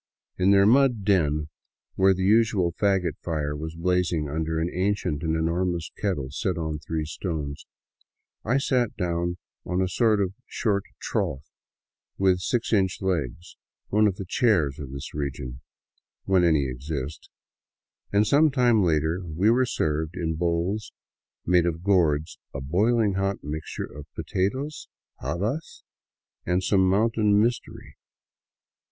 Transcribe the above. In their mud den, where the usual fagot fire was blazing under an ancient and enormous kettle set on three stones, I sat down on a sort of short trough with six inch legs, one of the " chairs " of this region, when any exist, and some time later we were served in bowls made of gourds a boiling hot mixture of potatoes, habas, and some mountain mystery.